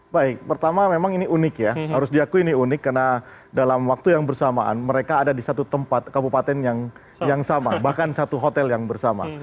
baik pertama memang ini unik ya harus diakui ini unik karena dalam waktu yang bersamaan mereka ada di satu tempat kabupaten yang sama bahkan satu hotel yang bersama